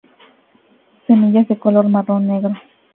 Semillas de color marrón-negro.